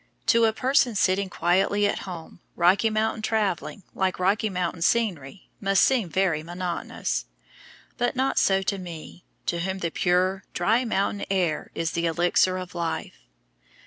To a person sitting quietly at home, Rocky Mountain traveling, like Rocky Mountain scenery, must seem very monotonous; but not so to me, to whom the pure, dry mountain air is the elixir of life.